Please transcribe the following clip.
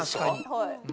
はい。